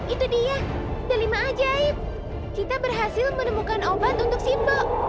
itu dia delima ajaib kita berhasil menemukan obat untuk simbol